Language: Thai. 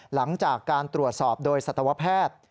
หลังจากการตรวจสอบโดยศัตรวภาพ